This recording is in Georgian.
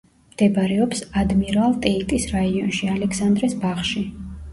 მდებარეობს ადმირალტეიტის რაიონში, ალექსანდრეს ბაღში.